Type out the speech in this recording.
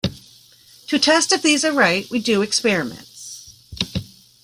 To test if these are right, we do experiments.